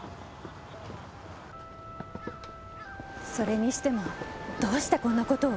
それにしてもどうしてこんな事を？